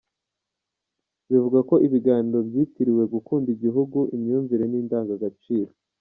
Bivugwa ko ibiganiro byitiriwe “gukunda igihugu, imyumvire n’indangagaciro.